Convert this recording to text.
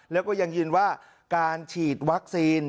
แล้วก็ยังยืนว่าการฉีดวัคซีน